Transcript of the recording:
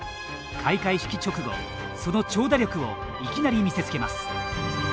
開会式直後、その長打力をいきなり見せつけます。